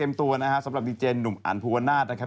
ตัวนะฮะสำหรับดีเจนหนุ่มอันภูวนาศนะครับ